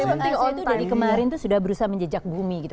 itu dari kemarin tuh sudah berusaha menjejak bumi gitu